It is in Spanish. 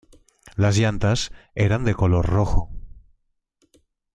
Las llantas eran de color rojo.